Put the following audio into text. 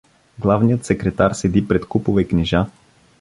Главният секретар седи пред купове книжа.